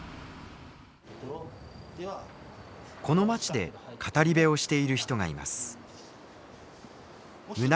この町で語り部をしている人がいます。